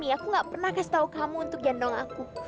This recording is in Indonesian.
aku tidak pernah kasih tau kamu untuk gendong aku